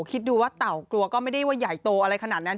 คิดดูว่าเต่ากลัวก็ไม่ได้ว่าใหญ่โตอะไรขนาดนั้น